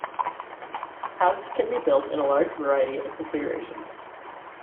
Houses can be built in a large variety of configurations.